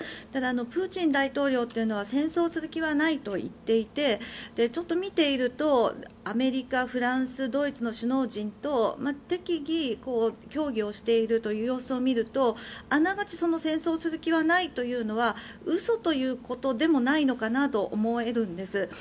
ただ、プーチン大統領というのは戦争をする気はないと言っていてちょっと見ているとアメリカ、フランス、ドイツの首脳陣と適宜、協議をしているという様子を見るとあながち戦争をする気はないというのは嘘ということでもないのかなとも思えるんです。